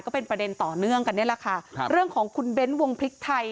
ก็เป็นประเด็นต่อเนื่องกันนี่แหละค่ะครับเรื่องของคุณเบ้นวงพริกไทย